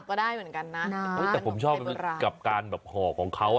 ก็ได้เหมือนกันนะแต่ผมชอบกับการแบบห่อของเขา